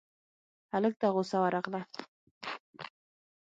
هلک ته غوسه ورغله: